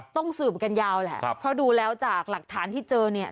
ต้องสืบกันยาวแหละเพราะดูแล้วจากหลักฐานที่เจอเนี่ย